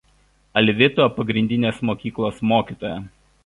Alvito pagrindinės mokyklos mokytoja.